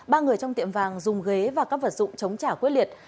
ba người trong tiệm vàng dùng ghế và các vật dụng chống trả quyết liệt